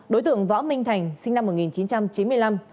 đối tượng võ minh thành sinh năm một nghìn chín trăm chín mươi năm